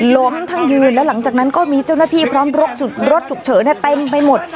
ล้มทั้งยืนและหลังจากนั้นก็มีเจ้าหน้าที่พร้อมรถฉุกเฉินเต็มไปหมด